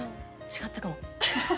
違ったかも。